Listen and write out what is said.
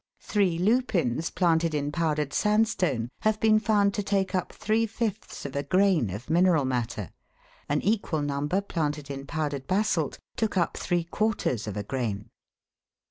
Three lupins planted in powdered sandstone have been found to take up three fifths of a grain of mineral matter ; an equal number planted in powdered basalt took up three quarters of a grain.